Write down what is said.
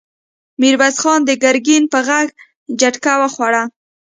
ميرويس خان د ګرګين په غږ جټکه وخوړه!